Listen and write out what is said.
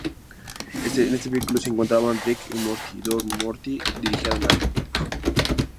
En este vehículo, se encontraban Rick y Morty donde Morty dirigía la nave.